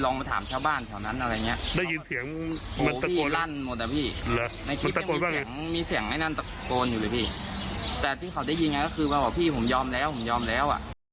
แต่ที่เขาได้ยินก็คือมาบอกพี่ผมยอมแล้ว